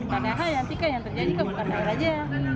karena yang terjadi kan bukan air aja